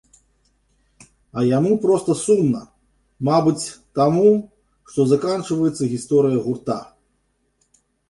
А яму проста сумна, мабыць, таму, што заканчваецца гісторыя гурта.